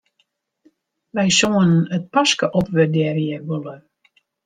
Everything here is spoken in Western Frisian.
Wy soenen it paske opwurdearje wolle.